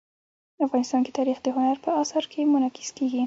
افغانستان کې تاریخ د هنر په اثار کې منعکس کېږي.